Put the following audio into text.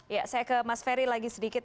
ya saya ke mas ferry lagi sedikit